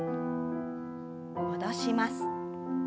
戻します。